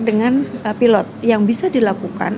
dengan pilot yang bisa dilakukan